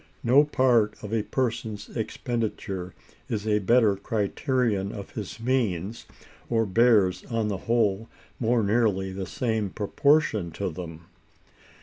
No part of a person's expenditure is a better criterion of his means, or bears, on the whole, more nearly the same proportion to them.